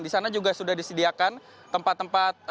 di sana juga sudah disediakan tempat tempat